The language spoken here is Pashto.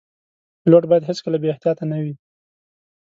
پیلوټ باید هیڅکله بې احتیاطه نه وي.